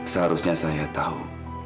seharusnya saya tahu